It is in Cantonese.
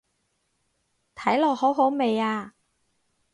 睇落好好味啊